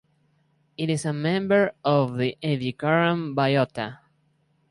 It is a member of the Ediacaran biota.